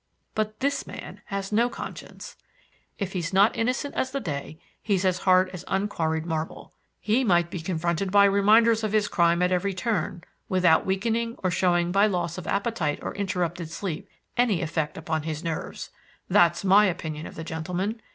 But this man has no conscience. If he is not innocent as the day, he's as hard as unquarried marble. He might be confronted with reminders of his crime at every turn without weakening or showing by loss of appetite or interrupted sleep any effect upon his nerves. That's my opinion of the gentleman.